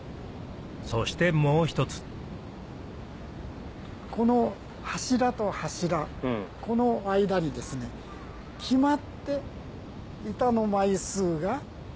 そしてもう一つこの柱と柱この間に決まって板の枚数が。